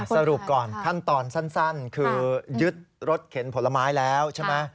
สรุปก่อนขั้นตอนสั้นคือยึดรถเข็นผลไม้แล้วใช่ไหม